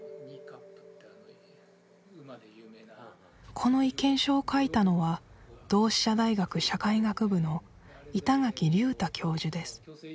この意見書を書いたのは同志社大学社会学部の板垣竜太教授です